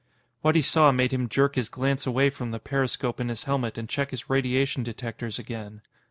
What he saw made him jerk his glance away from the periscope in his helmet and check his radiation detectors again.